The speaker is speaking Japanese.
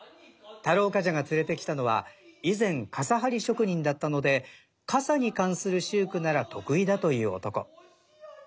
太郎冠者が連れてきたのは以前傘張り職人だったので傘に関する秀句なら得意だという男。